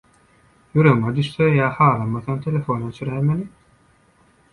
Ýüregiňe düşse ýa halamasaň telefony öçüräýmeli.